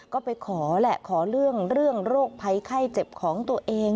ก็ไปขอแหละขอเรื่องโรคภัยไข้เจ็บของตัวเอง